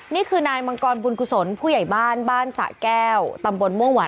นี่คือนายมังกรบุญกุศลผู้ใหญ่บ้านบ้านสะแก้วตำบลม่วงหวา